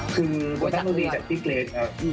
คือโปรดักตรงดีจากพี่เกรดครับ